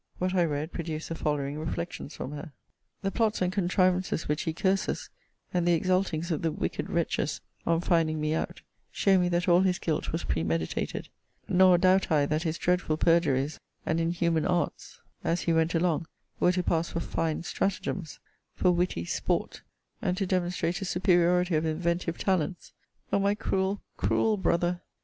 What I read produced the following reflections from her: 'The plots and contrivances which he curses, and the exultings of the wicked wretches on finding me out, show me that all his guilt was premeditated: nor doubt I that his dreadful perjuries, and inhuman arts, as he went along, were to pass for fine stratagems; for witty sport; and to demonstrate a superiority of inventive talents! O my cruel, cruel brother!